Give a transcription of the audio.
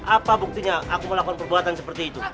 apa buktinya aku melakukan perbuatan seperti itu